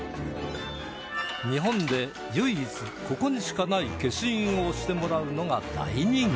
日本で唯一ここにしかない消印を押してもらうのが大人気